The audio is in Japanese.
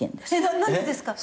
何でですか？